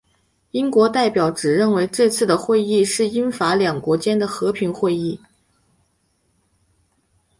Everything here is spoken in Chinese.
英国代表只认为这次的会议是英法两国间的和平会谈。